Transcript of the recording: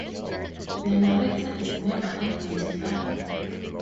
The narrator is never identified.